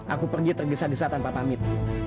aku pergi tergesa gesa tanpa pamit